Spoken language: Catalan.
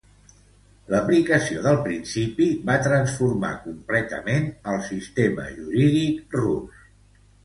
L'aplicació del principi va transformar completament el sistema jurídic rus.